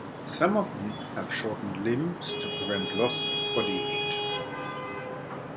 Some of them have shortened limbs to prevent loss of body heat.